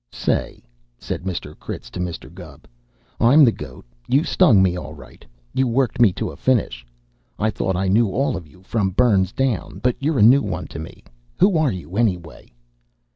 "Say," said Mr. Critz to Mr. Gubb, "I'm the goat. You stung me all right. You worked me to a finish. I thought I knew all of you from Burns down, but you're a new one to me. Who are you, anyway?"